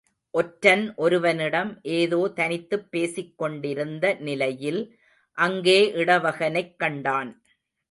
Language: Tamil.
ஒற்றன் ஒருவனிடம் ஏதோ தனித்துப் பேசிக் கொண்டிருந்த நிலையில் அங்கே இடவகனைக் கண்டான்.